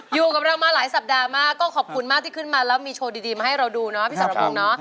อยู่กับเรามาหลายสัปดาห์มากก็ขอบคุณมากที่ขึ้นมาแล้วมีโชว์ดีมาให้เราดูเนาะพี่สรพงศ์เนาะ